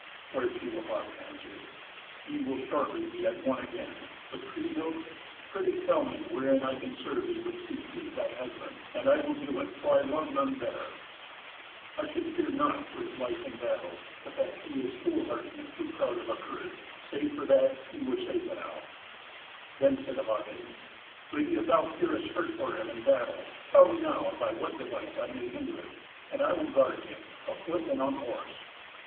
Whereto Hagen answered, "Ye will shortly be at one again. But Kriemhild, prithee tell me wherein I can serve thee with Siegfried, thy husband, and I will do it, for I love none better." "I should fear naught for his life in battle, but that he is foolhardy, and of too proud a courage. Save for that, he were safe enow." Then said Hagen, "Lady, if thou fearest hurt for him in battle, tell me now by what device I may hinder it, and I will guard him afoot and on horse."